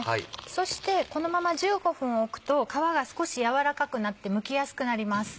そしてこのまま１５分おくと皮が少し柔らかくなってむきやすくなります。